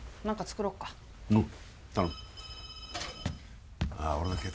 何か作ろうか？